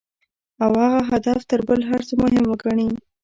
او هغه هدف تر بل هر څه مهم وګڼي.